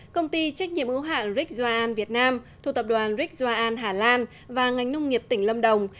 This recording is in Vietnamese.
công ty trách nhiệm ưu hạ rick joann việt nam thủ tập đoàn rick joann hà lan và ngành nông nghiệp tỉnh lâm đồng